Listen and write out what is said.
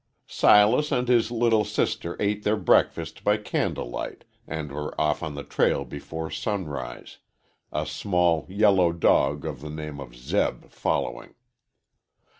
V SILAS and his sister ate their breakfast by candle light and were off on the trail before sunrise, a small, yellow dog of the name of Zeb following.